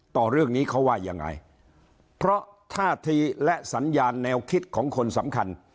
ต่อเรื่องนี้เขาว่ายังไงเพราะท่าทีและสัญญาณแนวคิดของคนสำคัญ